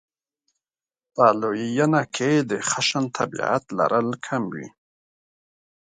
په لویېنه کې یې د خشن طبعیت لرل کم وي.